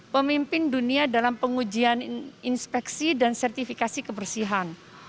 pemimpin dunia dalam pengujian inspeksi dan sertifikasi kebersihan